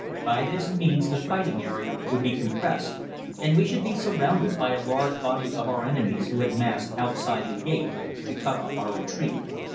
By this means the fighting area would be compressed, and we should be surrounded by a large body of our enemies who had massed outside the gate to cut off our retreat.